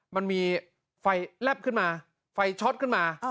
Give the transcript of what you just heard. มันมีไฟแลบขึ้นมาไฟช็อตขึ้นมา